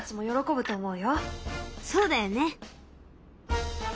そうだよね。